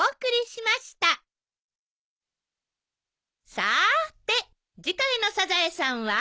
さーて次回の『サザエさん』は？